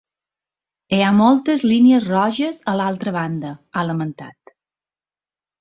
Hi ha moltes línies roges a l’altra banda, ha lamentat.